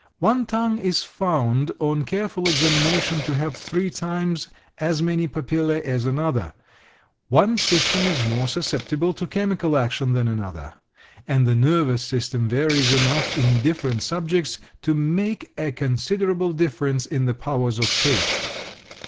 One tongue is found on careful examination to have three times as many papillæ as another, one system is more susceptible to chemical action than another, and the nervous system varies enough in different subjects to make a considerable difference in the powers of taste.